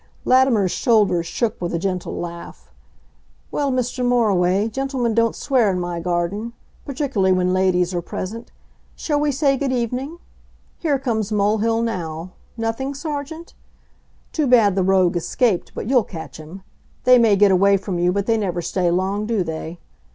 Latimer's shoulders shook with a gentle laugh. "Well, Mr. Moriway, gentlemen don't swear in my garden. Particularly when ladies are present. Shall we say good evening? Here comes Mulhill now.... Nothing, Sergeant? Too bad the rogue escaped, but you'll catch him. They may get away from you, but they never stay long, do they?